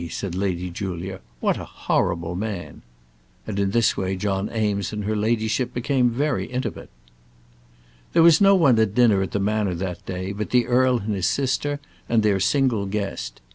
said Lady Julia, "what a horrible man!" And in this way John Eames and her ladyship became very intimate. There was no one at dinner at the Manor that day but the earl and his sister and their single guest.